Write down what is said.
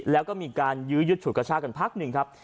แล้วก็มีการยืดสุขชาติกันพักหนึ่งครับ